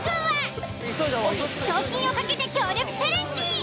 賞金を懸けて協力チャレンジ。